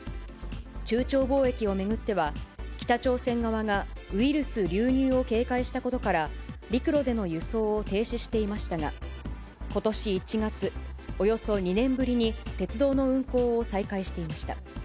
中朝貿易を巡っては北朝鮮側がウイルス流入を警戒したことから、陸路での輸送を停止していましたが、ことし１月、およそ２年ぶりに鉄道の運行を再開していました。